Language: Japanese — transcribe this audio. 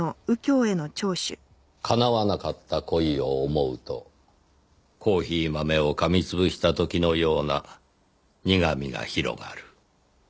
叶わなかった恋を思うとコーヒー豆を噛み潰した時のような苦みが広がる。